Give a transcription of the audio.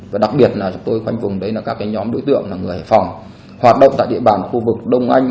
và đặc biệt là chúng tôi khoanh vùng đấy là các nhóm đối tượng là người hải phòng hoạt động tại địa bàn khu vực đông anh